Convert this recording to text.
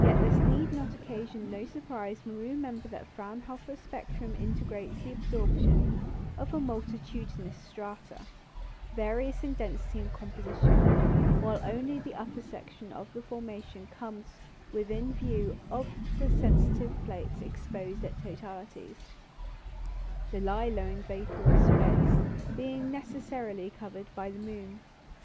Yet this need occasion no surprise when we remember that the Fraunhofer spectrum integrates the absorption of multitudinous strata, various in density and composition, while only the upper section of the formation comes within view of the sensitive plates exposed at totalities, the low lying vaporous beds being necessarily covered by the moon.